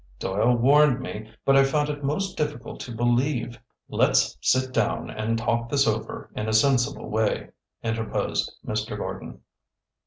Doyle warned me, but I found it most difficult to believe." "Let's sit down and talk this over in a sensible way," interposed Mr. Gordon.